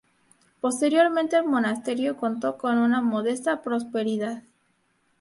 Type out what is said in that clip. Posteriormente el monasterio contó con una modesta prosperidad.